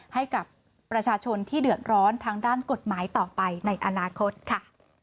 ให้กับประชาชนที่เดือดร้อนทางด้านกฎหมายต่อไปในอนาคตค่ะ